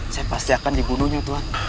saya pasti akan digunungnya tuan